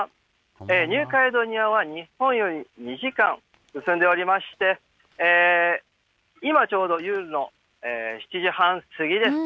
ニューカレドニアは日本より２時間進んでおりまして、今、ちょうど夜の７時半過ぎです。